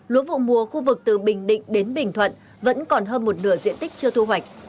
lúa vụ mùa khu vực từ bình định đến bình thuận vẫn còn hơn một nửa diện tích chưa thu hoạch